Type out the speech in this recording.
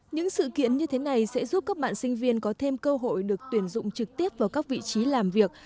những sự kiện như thế này sẽ giúp các bạn sinh viên có thêm cơ hội được tuyển dụng trực tiếp vào các vị trí làm việc